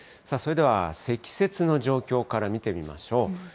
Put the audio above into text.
それでは積雪の状況から見てみましょう。